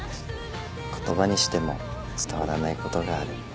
言葉にしても伝わらないことがある。